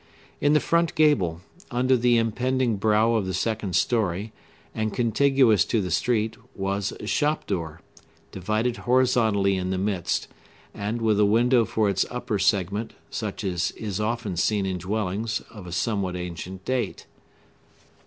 In the front gable, under the impending brow of the second story, and contiguous to the street, was a shop door, divided horizontally in the midst, and with a window for its upper segment, such as is often seen in dwellings of a somewhat ancient date.